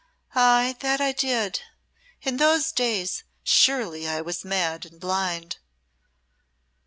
"Ay, that I did. In those days surely I was mad and blind."